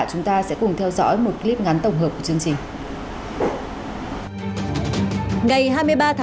chúng ta sẽ cùng theo dõi một clip ngắn tổng hợp của chương trình